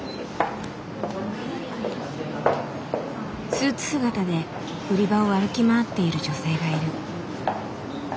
スーツ姿で売り場を歩き回っている女性がいる。